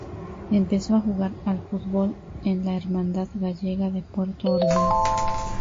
Empezó a jugar al fútbol en la Hermandad Gallega de Puerto Ordaz.